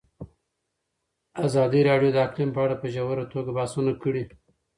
ازادي راډیو د اقلیم په اړه په ژوره توګه بحثونه کړي.